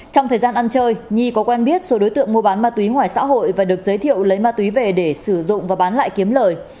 trong thời gian ăn chơi nhi có quen biết số đối tượng mua bán ma túy ngoài xã hội và được giới thiệu lấy ma túy về để sử dụng và bán lại kiếm lời